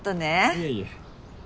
いえいえ。